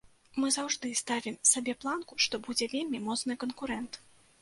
Мы заўжды ставім сабе планку, што будзе вельмі моцны канкурэнт.